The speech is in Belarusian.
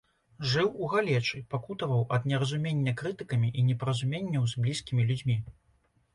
Жыў у галечы, пакутаваў ад неразумення крытыкамі і непаразуменняў з блізкімі людзьмі.